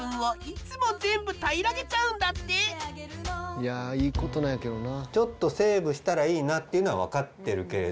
いやいいことなんやけどな。